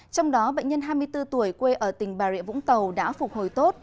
trong đó bệnh nhân hai mươi bốn tuổi quê ở tỉnh bà rịa vũng tàu đã phục hồi tốt